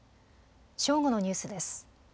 正午のニュースです。